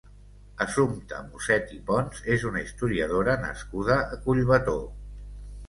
Assumpta Muset i Pons és una historiadora nascuda a Collbató.